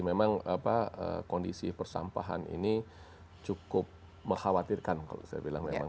memang kondisi persampahan ini cukup mengkhawatirkan kalau saya bilang memang